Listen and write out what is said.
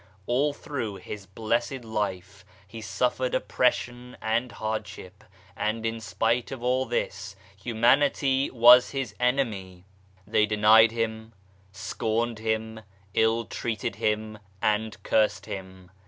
All through His blessed life He suffered oppression and hardship, and in spite of all this Humanity was His enemy ! They denied Him, scorned Him, ill treated Him and cursed Him.